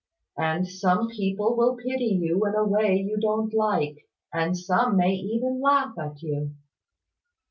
And some people will pity you in a way you don't like; and some may even laugh at you."